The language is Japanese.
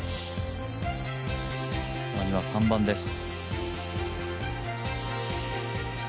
更には３番です。